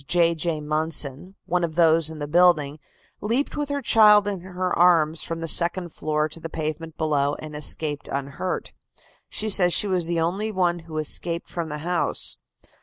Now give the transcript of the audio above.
J. J. Munson, one of those in the building, leaped with her child in her arms from the second floor to the pavement below and escaped unhurt. She says she was the only one who escaped from the house.